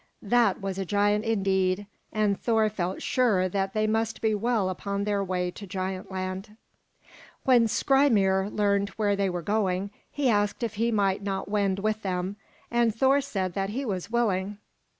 That was a giant indeed, and Thor felt sure that they must be well upon their way to Giant Land. When Skrymir learned where they were going, he asked if he might not wend with them, and Thor said that he was willing.